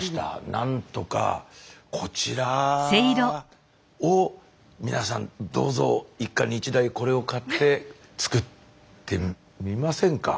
なんとかこちらを皆さんどうぞ一家に一台これを買って作ってみませんか？